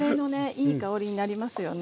いい香りになりますよね。